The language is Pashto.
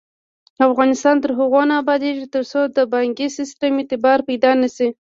افغانستان تر هغو نه ابادیږي، ترڅو د بانکي سیستم اعتبار پیدا نشي.